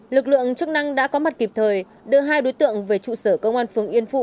lực lượng chức năng đã có mặt kịp thời đưa hai đối tượng về trụ sở công an phường yên phụ